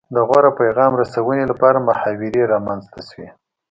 د غوره پیغام رسونې لپاره محاورې رامنځته شوې